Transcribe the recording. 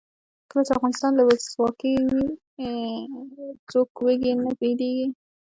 کله چې افغانستان کې ولسواکي وي څوک وږی نه ویدېږي.